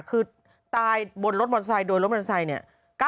คือตายบนรถบอลไซด์โดยรถบอลไซด์เนี่ย๙๘